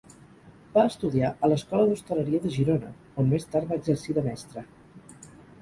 Va estudiar a l'Escola d'Hostaleria de Girona, on més tard va exercir de mestre.